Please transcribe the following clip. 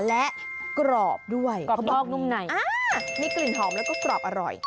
และกรอบด้วยมีกลิ่นหอมแล้วก็กรอบอร่อย